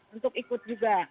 untuk ikut juga